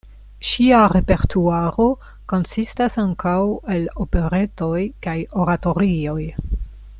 Ŝia repertuaro konsistas ankaŭ el operetoj kaj oratorioj.